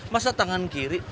masa tangan kiri